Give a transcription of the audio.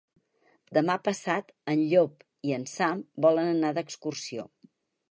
Demà passat en Llop i en Sam volen anar d'excursió.